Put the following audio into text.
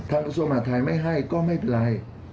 ทางอุตส่วนมหาภัยไม่ให้ก็ไม่เป็นไร